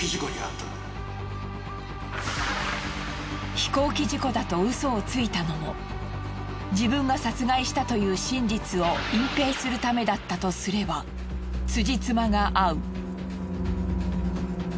飛行機事故だとウソをついたのも自分が殺害したという真実を隠蔽するためだったとすればつじつまが合う。